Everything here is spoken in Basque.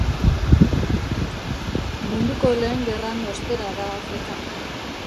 Munduko Lehen Gerran ostera da Afrikan.